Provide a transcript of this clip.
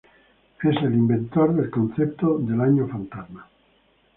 Él es el inventor del concepto del año fantasma.